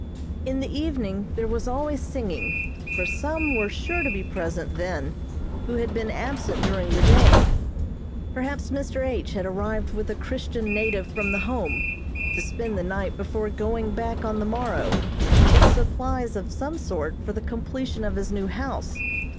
In the evening there was always singing, for some were sure to be present then, who had been absent during the day. Perhaps Mr. H. had arrived with a Christian native from the Home, to spend the night before going back on the morrow, with supplies of some sort for the completion of his new house.